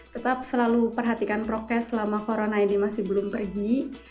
tetap selalu perhatikan prokes selama corona ini masih belum pergi